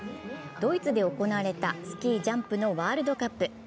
ドイツで行われたスキージャンプのワールドカップ。